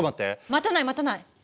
待たない待たない。